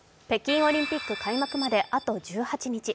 北京オリンピック開幕まであと１８日。